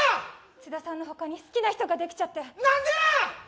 津田さんのほかに好きな人ができちゃって何でや！